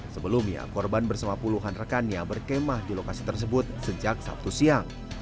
sebelumnya korban bersama puluhan rekannya berkemah di lokasi tersebut sejak sabtu siang